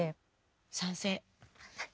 賛成！